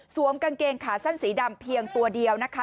กางเกงขาสั้นสีดำเพียงตัวเดียวนะคะ